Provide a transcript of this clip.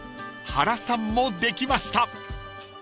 ［原さんもできました］